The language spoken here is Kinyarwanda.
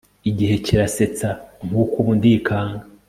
igihe kirasetsa nkuko ubu ndikanga